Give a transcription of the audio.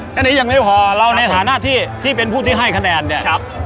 แค่นี้ยังไม่พอเราในฐานะที่ที่เป็นผู้ที่ให้คะแนนเนี่ย